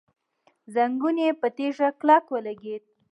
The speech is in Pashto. زنګون يې په تيږه کلک ولګېد.